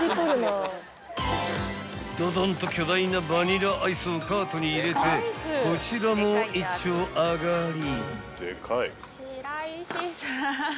［どどんと巨大なバニラアイスをカートに入れてこちらも一丁上がり］